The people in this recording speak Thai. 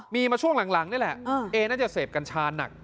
มีมาช่วงหลังนี่แหละเอน่าจะเสพกัญชาหนัก